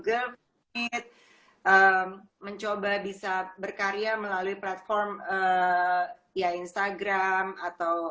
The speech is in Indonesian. media kayak instagram live zoom google mencoba bisa berkarya melalui platform ya instagram atau